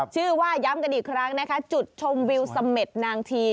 ย้ำกันอีกครั้งนะคะจุดชมวิวเสม็ดนางที